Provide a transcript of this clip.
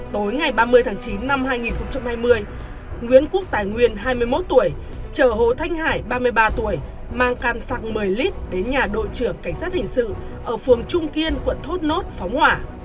tối ngày ba mươi tháng chín năm hai nghìn hai mươi nguyễn quốc tài nguyên hai mươi một tuổi chở hồ thanh hải ba mươi ba tuổi mang can sắc một mươi lit đến nhà đội trưởng cảnh sát hình sự ở phường trung kiên quận thốt nốt phóng hỏa